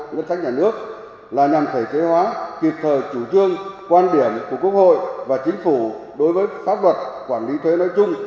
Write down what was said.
ngân sách nhà nước là nhằm thể chế hóa kịp thời chủ trương quan điểm của quốc hội và chính phủ đối với pháp luật quản lý thuế nói chung